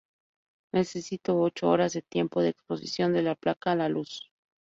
Necesitó ocho horas de tiempo de exposición de la placa a la luz.